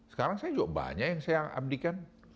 sekarang saya juga banyak yang saya abdikan